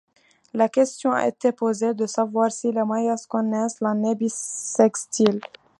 La question a été posée de savoir si les Mayas connaissaient l'année bissextile.